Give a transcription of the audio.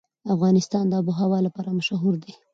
افغانستان د آب وهوا لپاره مشهور دی.